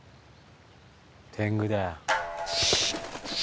天狗だよ。